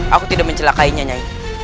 aku tidak mencelakainya nyai